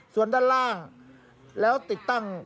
ส่วนด้านล่างแล้วติดตั้ง